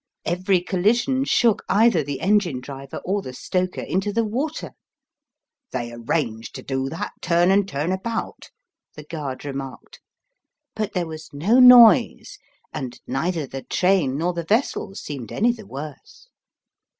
Every collision shook either the engine driver or the stoker into the water ("they arrange to do that turn and turn about," the guard remarked), but there was no noise, and neither the train nor the vessels seemed any the worse.